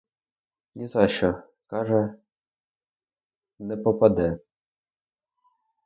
Ні за що, каже, не попаде!